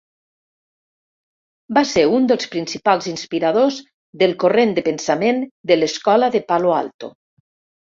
Va ser un dels principals inspiradors del corrent de pensament de l'escola de Palo Alto.